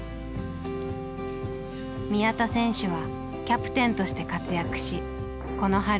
宮田選手はキャプテンとして活躍しこの春卒業しました。